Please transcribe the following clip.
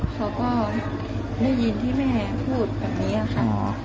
เขาก็ได้ยินที่แม่พูดแบบนี้ค่ะ